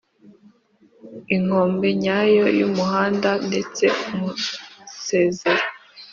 inkombe nyayo y'umuhanda ndetse umusezero